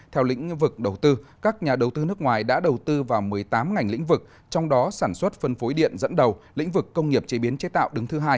theo lĩnh vực đầu tư các nhà đầu tư nước ngoài đã đầu tư vào một mươi tám ngành lĩnh vực trong đó sản xuất phân phối điện dẫn đầu lĩnh vực công nghiệp chế biến chế tạo đứng thứ hai